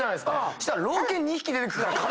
そしたら。